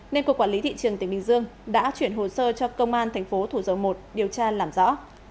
nên cục quản lý thị trường tỉnh bình dương đã chuyển hồ sơ cho công an thành phố thủ dầu một điều tra làm rõ